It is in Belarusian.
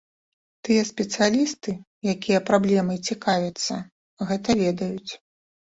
Тыя спецыялісты, якія праблемай цікавяцца, гэта ведаюць.